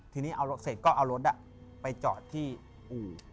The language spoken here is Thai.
ทีนี้เอารถเสร็จก็เอารถไปจอดที่อู่